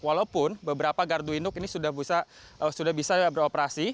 walaupun beberapa gardu induk ini sudah bisa beroperasi